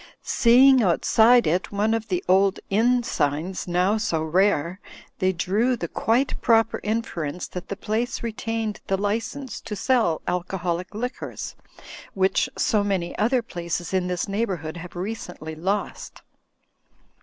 Seeing outside it one of the old inn signs now so rare, they drew the quite proper inference that the place retained the Digitized by CjOOQ IC 98 THE FLYING INN license to sell alcoholic liquors, which so many other places in this neighborhood have recently lost.